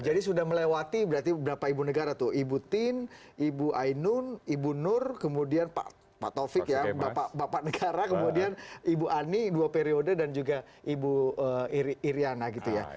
jadi sudah melewati berarti berapa ibu negara tuh ibu tin ibu ainun ibu nur kemudian pak tovik ya bapak negara kemudian ibu ani dua periode dan juga ibu iryana gitu ya